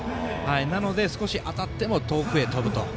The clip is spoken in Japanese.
なので、少し当たっても遠くへ飛ぶと。